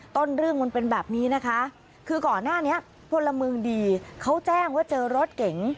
ต้นเรื่องมันเป็นแบบนี้นะคะคือก่อนหน้านี้พลเมืองดีเขาแจ้งว่าเจอรถเก๋ง